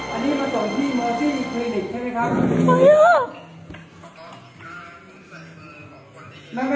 อันนี้มาส่งที่เมาส์ที่มีคลิปใช่มั้ยคะ